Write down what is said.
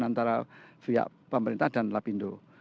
antara pihak pemerintah dan lapindo